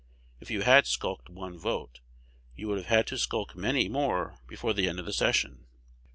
If you had skulked one vote, you would have had to skulk many more before the end of the session.